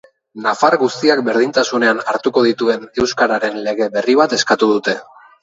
Nafar guztiak berdintasunean hartuko dituen euskararen lege berri bat eskatu dute.